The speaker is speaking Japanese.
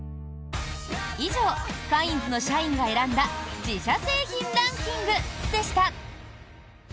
以上、カインズの社員が選んだ自社製品ランキングでした。